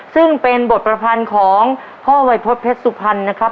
ซึ่งเป็นบทประพันธ์ของพ่อวัยพฤษเพชรสุพรรณนะครับ